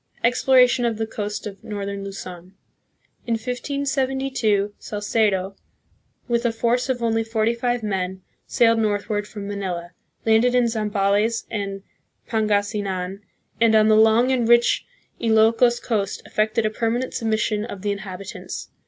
Exploration of the Coast of Northern Luzon. In 1572, Salcedo, with a force of only forty five men, sailed north ward from Manila, landed in Zambales and Pangasinan, and on the long and rich Ilokos coast effected a permanent submission of the inhabitants.